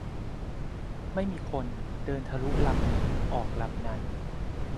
ไม่มีคน เดินทะลุลำนี้ ออกลำนั้น